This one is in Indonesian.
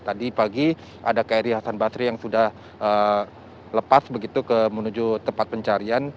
tadi pagi ada kri hasan basri yang sudah lepas begitu menuju tempat pencarian